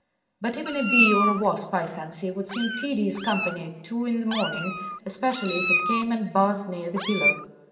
But even a bee or a wasp, I fancy, would seem tedious company at two in the morning, especially if it came and buzzed near the pillow.